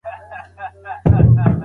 غڼي تر غونډک ډېري زهرجني نه دي .